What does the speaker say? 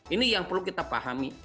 ini yang perlu kita pahami